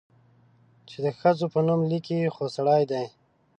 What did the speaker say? چې د ښځو په نوم ليکي، خو سړي دي؟